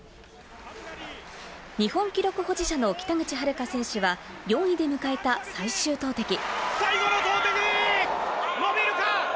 日本記録保持者の北口榛花選手は４位で迎えた最終投てき。